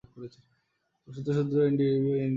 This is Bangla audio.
তথ্যসূত্র এনডিটিভি ও ইন্ডিয়া টুডে